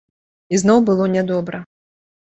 І зноў было нядобра.